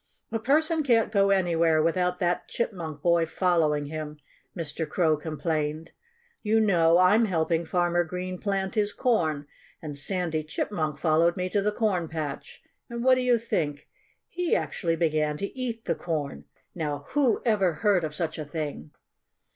"A person can't go anywhere without that Chipmunk boy following him," Mr. Crow complained. "You know, I'm helping Farmer Green plant his corn. And Sandy Chipmunk followed me to the corn patch. And what do you think? He actually began to eat the corn! Now, who ever heard of such a thing?"